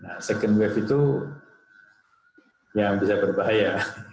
nah second wave itu yang bisa berbahaya